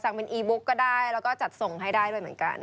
เป็นอีบุ๊กก็ได้แล้วก็จัดส่งให้ได้ไปเหมือนกัน